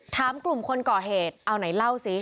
ถามกลุ่มคนก่อเหตุเอาไหนเล่าสิ